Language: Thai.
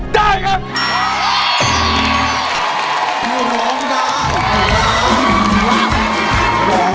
ได้ครับ